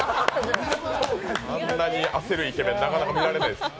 あんなに焦るイケメンなかなか見れないです。